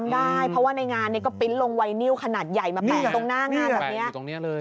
ได้เพราะว่าในงานนี้ก็ปริ้นต์ลงไวนิวขนาดใหญ่มาแปะตรงหน้างานแบบนี้เลย